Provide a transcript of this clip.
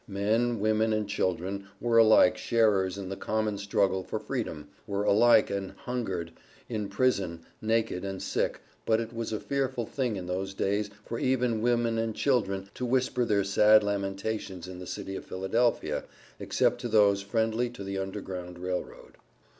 Men, women and children were alike sharers in the common struggle for freedom were alike an hungered, in prison, naked, and sick, but it was a fearful thing in those days for even women and children to whisper their sad lamentations in the city of Philadelphia, except to those friendly to the Underground Rail Road.